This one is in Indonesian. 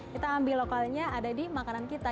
kita ambil lokalnya ada di makanan kita